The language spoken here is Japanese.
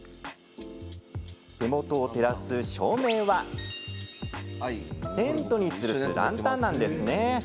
手元を照らす照明はテントにつるすランタンです。